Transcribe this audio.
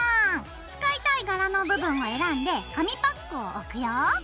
使いたい柄の部分を選んで紙パックを置くよ。